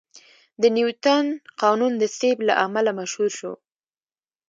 د نیوتن قانون د سیب له امله مشهور شو.